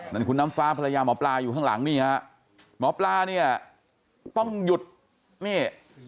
นั่นคุณน้ำฟ้าภรรยาหมอปลาอยู่ข้างหลังนี่ฮะหมอปลาเนี่ยต้องหยุดนี่